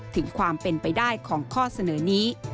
ถึงความเป็นไปได้ของข้อเสนอนี้